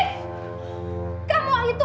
kamu itu anak tidak tahu diuntung